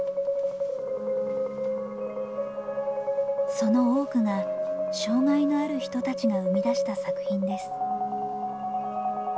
その多くが障害のある人たちが生み出した作品です。